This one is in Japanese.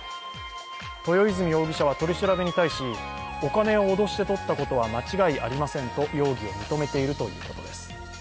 豊泉容疑者は取り調べに対しお金を脅してとったことは間違いありませんと容疑を認めているということです。